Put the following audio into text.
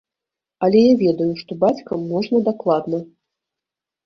Але я ведаю, што бацькам можна дакладна.